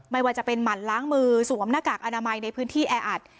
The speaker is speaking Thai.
ไม่ว่าจะเป็นหมั่นล้างมือสวมหน้ากากอนามัยในพื้นที่แออัด